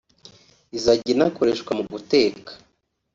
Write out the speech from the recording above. izajya inakoreshwa mu guteka